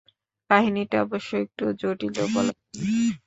কাহিনীটা অবশ্য একটু জটিলই বলা চলে!